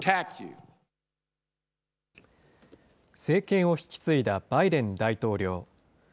政権を引き継いだバイデン大統領。